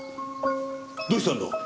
どうしたんだ？